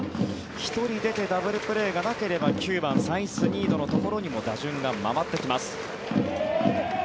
１人出てダブルプレーがなければ９番、サイスニードのところにも打順が回ってきます。